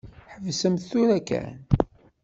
Ḥebsemt tura kan.